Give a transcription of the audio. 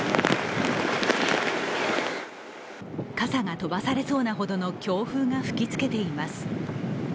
傘が飛ばされそうなほどの強風が吹きつけています。